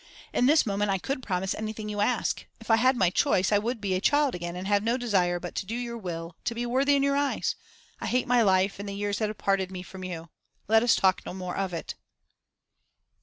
In this moment I could promise anything you ask; if I had my choice, I would be a child again and have no desire but to do your will, to be worthy in your eyes. I hate my life and the years that have parted me from you. Let us talk no more of it.